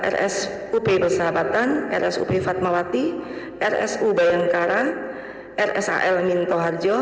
rsup bersahabatan rsup fatmawati rsu bayangkara rsal minto harjo